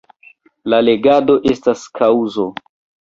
La legado estas kaŭzo.